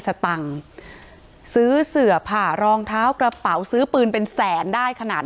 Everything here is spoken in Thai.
สตังค์ซื้อเสือผ่ารองเท้ากระเป๋าซื้อปืนเป็นแสนได้ขนาด